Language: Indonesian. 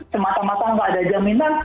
semata mata nggak ada jaminan